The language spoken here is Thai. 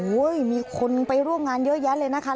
มีคนไปร่วมงานเยอะแยะเลยนะคะ